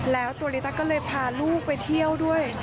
แล้วตัวลิต้าก็เลยพาลูกไปเที่ยวด้วย